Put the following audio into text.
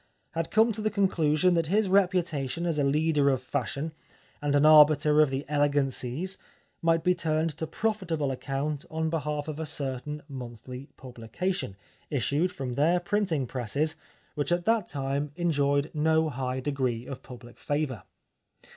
— had come to the conclusion that his reputation as a leader of fashion and an arbiter of the elegancies might be turned to pro fitable account on behalf of a certain monthly publication, issued from their printing presses, which at that time enjoyed no high degree of public favour.